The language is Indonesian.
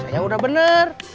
ya udah bener